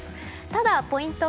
ただ、ポイント